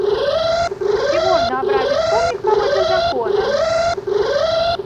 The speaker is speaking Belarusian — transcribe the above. Ці можна абразіць помнік, паводле закона?